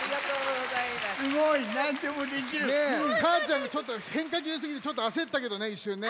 たーちゃんがちょっとへんかきゅうすぎてちょっとあせったけどねいっしゅんね。